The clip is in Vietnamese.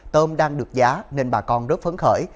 tôm đang được giá nên bà con rất phấn khởi